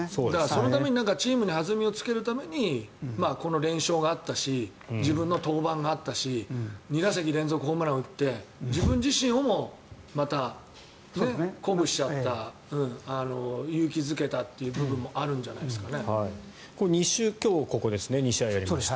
そのためにチームに弾みをつけるためにこの連勝があったし自分の登板があったし２打席連続ホームランを打って自分自身をもまた鼓舞しちゃった勇気付けたという部分も今日２試合やりました